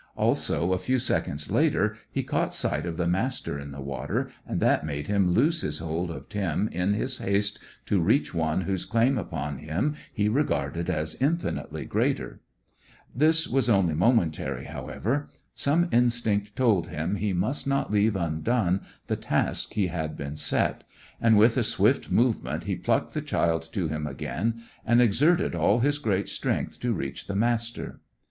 Also, a few seconds later, he caught sight of the Master in the water, and that made him loose his hold of Tim, in his haste to reach one whose claim upon him he regarded as infinitely greater. This was only momentary, however. Some instinct told him he must not leave undone the task he had been set, and with a swift movement he plucked the child to him again, and exerted all his great strength to reach the Master.